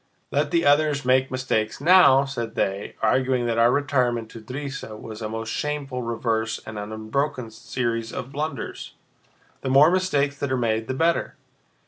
Let the others make mistakes now!" said they, arguing that our retirement to Drissa was a most shameful reverse and an unbroken series of blunders. "The more mistakes that are made the better.